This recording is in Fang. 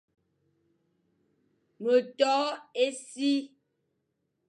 Me to e si,